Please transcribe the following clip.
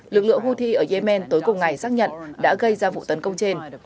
lực lượng hưu thi ở yemen tối cùng ngày xác nhận đã gây ra vụ tấn công trên